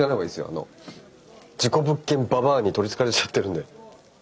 あの事故物件ババァに取りつかれちゃってるんで。